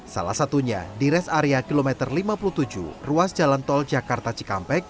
salah satunya di res area kilometer lima puluh tujuh ruas jalan tol jakarta cikampek